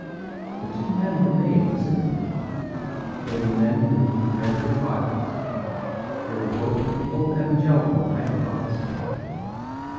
The two men were made for sympathy; they were men who 'read their Bibles'; they were both the old Evangelical type of officer.